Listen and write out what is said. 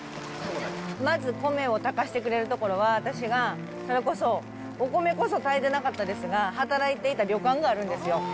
まず米を炊かせてくれる所は、私がそれこそ、お米こそ炊いてなかったですが、働いていた旅館があるんですよ。